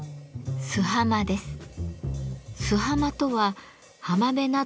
「洲浜」です。